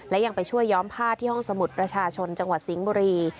และยังไปช่วยย้อมผ้าที่ห้องสมุดประชาชนจังหวัดสิงห์บุรี